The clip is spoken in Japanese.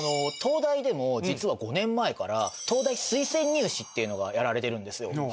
東大でも実は５年前から東大推薦入試っていうのがやられてるんですよ。